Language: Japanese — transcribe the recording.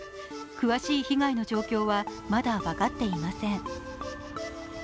詳しい被害の状況はまだ分かっていません。